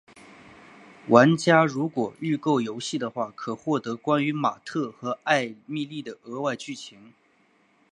玩家如果预购游戏的话可获得关于马特和艾蜜莉的额外剧情。